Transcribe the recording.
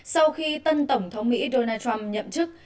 sau khi tân tổng thống mỹ donald trump nhậm chức